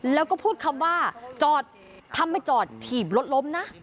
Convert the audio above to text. แล้วก็พูดคำว่าจอดทำไมจอดถีบรถล้มนะ